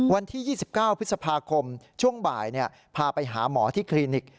วันที่๒๙พฤษภาคมช่วงบ่ายพาไปหาหมอที่คลินิก